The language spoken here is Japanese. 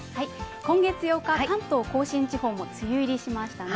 今月８日、関東甲信地方も梅雨入りしましたね。